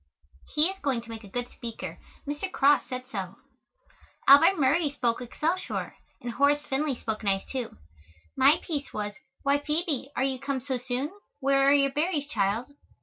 He is going to make a good speaker. Mr. Cross said so. Albert Murray spoke "Excelsior," and Horace Finley spoke nice, too. My piece was, "Why, Phoebe, are you come so soon? Where are your berries, child?"